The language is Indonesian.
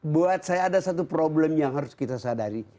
buat saya ada satu problem yang harus kita sadari